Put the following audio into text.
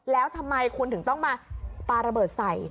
แล้วทำไมคุณถึงต้องมาปลาระเบิดใส่